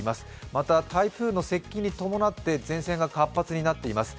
また台風の接近に伴って前線が活発になっています。